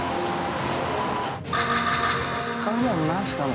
ここ使うもんなしかも。